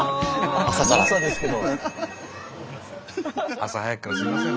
朝早くからすいません